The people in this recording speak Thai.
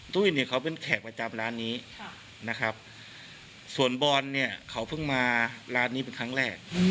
ตุ้ยเนี่ยเขาเป็นแขกประจำร้านนี้นะครับส่วนบอลเนี่ยเขาเพิ่งมาร้านนี้เป็นครั้งแรก